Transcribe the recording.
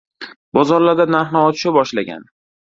bozorlarda narx-navo tusha boshlagan.